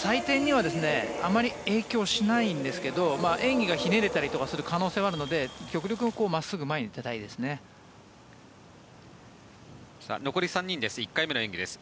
採点には影響はないですが演技がひねれたりする可能性があるので極力真っすぐ前に飛びたいですね。